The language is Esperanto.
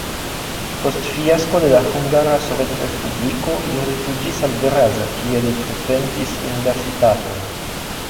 Post fiasko de la Hungara Sovetrespubliko li rifuĝis al Graz, kie li frekventis universitaton.